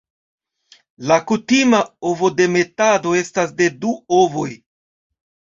La kutima ovodemetado estas de du ovoj.